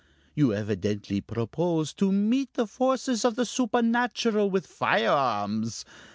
You evidently propose to meet the forces of the supernatural with firearms....